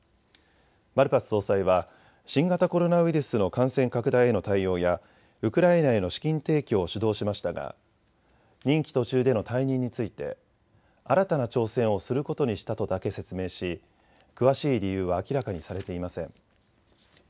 マルパス総裁は新型コロナウイルスの感染拡大への対応やウクライナへの資金提供を主導しましたが任期途中での退任について新たな挑戦をすることにしたとだけ説明し詳しい理由は明らかにされていません。